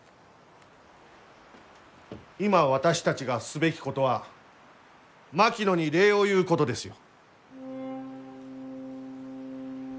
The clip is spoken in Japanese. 今私たちがすべきことは槙野に礼を言うことですよ。